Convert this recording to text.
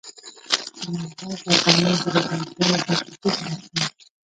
سلیمان غر د افغانانو د ګټورتیا یوه بنسټیزه برخه ده.